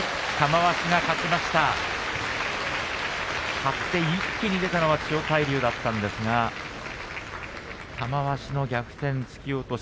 張って一気に出ていったのは千代大龍だったんですが玉鷲の逆転、突き落とし。